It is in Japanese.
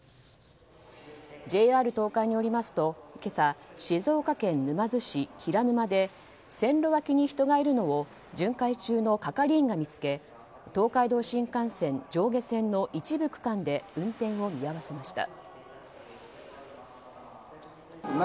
ＪＲ東海によりますと今朝、静岡県沼津市平沼で線路脇に人がいるのを巡回中の係員が見つけ東海道新幹線上下線の一部区間で運転を見合わせました。